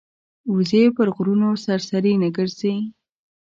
وزې پر غرونو سرسري نه ګرځي